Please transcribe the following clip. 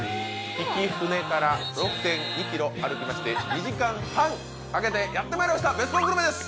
曳舟から６．２ｋｍ歩きまして２時間半かけてやってまいりましたベスコングルメです